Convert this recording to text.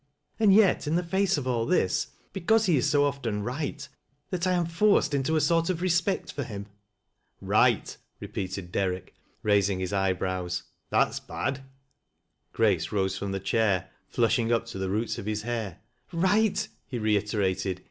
And yet, in the face of all this, because he is so often right, that I am forced into a sort of respect for him." " Right !" repeated Derrick, raising his eyebrows. " That's bad." Grace rose from the chair, flushing up to the roots of his hair, —" Right !" he reiterated.